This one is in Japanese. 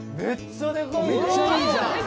めっちゃいいじゃん。